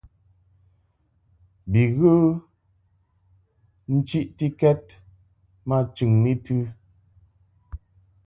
Bi ghə nchiʼtikɛd ma chɨŋni tɨ.